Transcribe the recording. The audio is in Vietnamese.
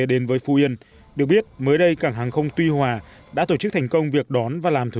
đến với phú yên được biết mới đây cảng hàng không tuy hòa đã tổ chức thành công việc đón